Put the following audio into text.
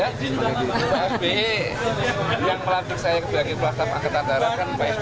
pak sby yang melatih saya ke belakang angkatan darat kan pak sby